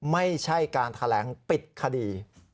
ไม่ใช่การแถลงปิดคดี